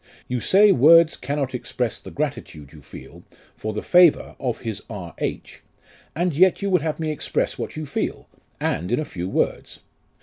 You say words cannot express the gratitude you feel for the favour of his R.H., and yet you would have me express what you feel, and in a few words.